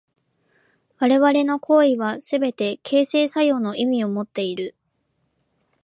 我々の行為はすべて形成作用の意味をもっている。